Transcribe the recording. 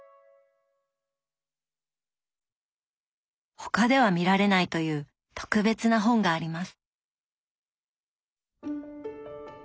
他では見られないという特別な本があります。